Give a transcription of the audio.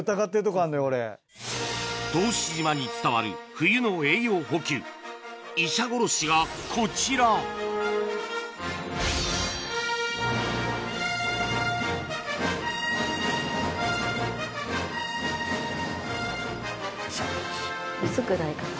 答志島に伝わる冬の栄養補給イシャゴロシがこちら薄くないかな？